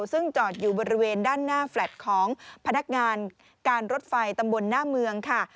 ซึ่งจอดอยู่บริเวณด้านหน้าแฟลต์ของพนักงานการรถไฟตำบลหน้าเมืองค่ะ